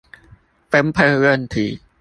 分配問題